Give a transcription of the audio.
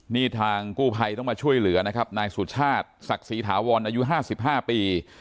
นี่ทางกู้ภัยต้องมาช่วยเหลือนะครับนายสุชาติศักดิ์ศรีถาวรอายุ๕๕ปี